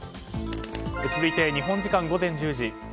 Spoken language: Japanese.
続いて日本時間午前１０時